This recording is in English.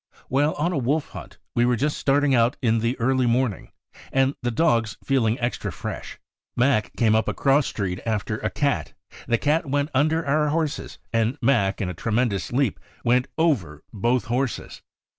While on a wolf hunt we were just starting out in the early morn ing, and the dogs feeling extra fresh, Mac came up a cross^ street after a cat; the cat went under our horses, and Mac, in a tremendous leap, went over both horses.